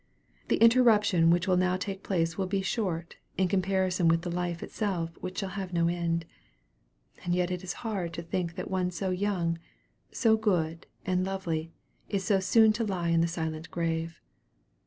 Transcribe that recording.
The interruption which will now take place will be short, in comparison with the life itself which shall have no end. And yet it is hard to think that one so young, so good, and lovely, is so soon to lie in the silent grave.